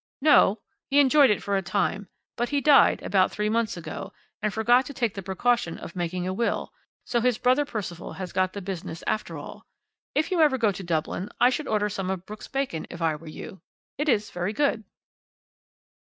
"No; he enjoyed it for a time, but he died, about three months ago, and forgot to take the precaution of making a will, so his brother Percival has got the business after all. If you ever go to Dublin, I should order some of Brooks' bacon if I were you. It is very good."